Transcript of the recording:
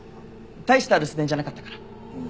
大した留守電じゃなかったから。